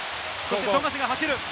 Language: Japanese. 富樫が走る！